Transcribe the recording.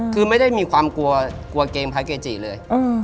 คือไม่ได้มีความกลัวกลัวเกมพระเกจิเลย